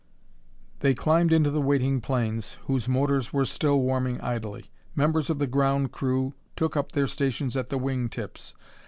They climbed into the waiting planes, whose motors were still warming idly. Members of the ground crew took up their stations at the wing tips.